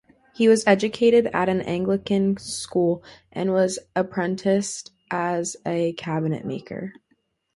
He was educated at an Anglican school and was apprenticed as a cabinetmaker.